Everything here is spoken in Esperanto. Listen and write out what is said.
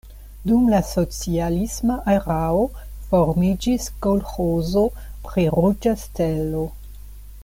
Dum la socialisma erao formiĝis kolĥozo pri Ruĝa Stelo.